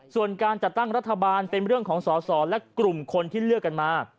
ส่วนการจัดตั้งรัฐบาลเป็นเรื่องของสอสอและกลุ่มคนที่เลือกกันมา